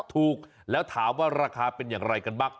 ถูกแล้วถามว่าราคาเป็นอย่างไรกันบ้าง